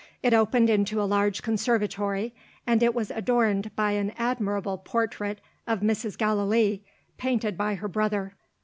It opened into a large conservatory; and it was adorned by an admirable portrait of Mrs. Gallilee, painted by her brother.